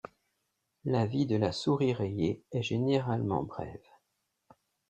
La vie de la souris rayée est généralement brève.